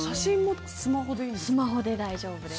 スマホで大丈夫です。